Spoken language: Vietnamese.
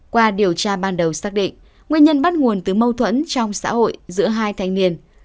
qua điều tra ban đầu xác định nguyên nhân bắt nguồn từ mâu thuẫn trong xã hội giữa hai thanh niên